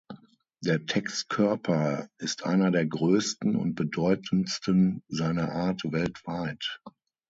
Der Text-Körper ist einer der größten und bedeutendsten seiner Art weltweit.